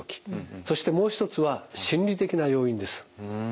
そしてもう一つは心理的な要因です。